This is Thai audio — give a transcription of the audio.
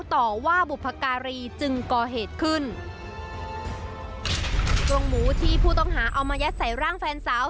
ต่อว่าบุพการีจึงก่อเหตุขึ้นโรงหมูที่ผู้ต้องหาเอามายัดใส่ร่างแฟนสาว